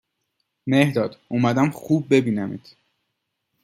مهرداد اومدم خوب ببینمت